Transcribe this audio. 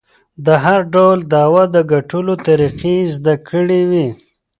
د هر ډول دعوو د ګټلو طریقې یې زده کړې وې.